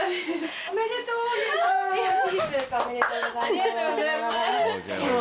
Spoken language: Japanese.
ありがとうございます。